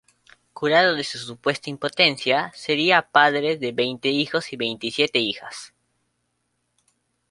Curado de su supuesta impotencia, sería padre de veinte hijos y veintisiete hijas.